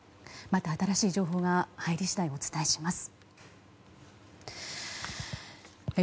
また、新しい情報が入り次第お伝えします。